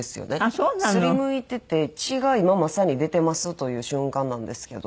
擦りむいてて血が今まさに出てますという瞬間なんですけど。